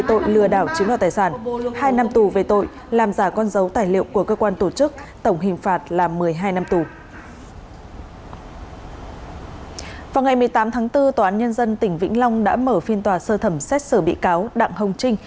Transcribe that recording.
tám tháng bốn tòa án nhân dân tỉnh vĩnh long đã mở phiên tòa sơ thẩm xét xử bị cáo đặng hồng trinh